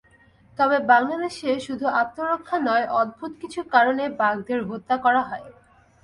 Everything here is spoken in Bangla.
তবে বাংলাদেশে শুধু আত্মরক্ষা নয়, অদ্ভুত কিছু কারণে বাঘদের হত্যা করা হয়।